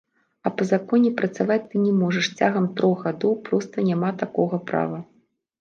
А па законе, працаваць ты не можаш цягам трох гадоў, проста няма такога права.